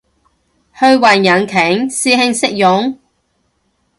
虛幻引擎？師兄識用？